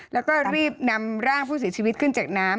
แล้วก็รีบนำร่างผู้เสียชีวิตขึ้นจากน้ำ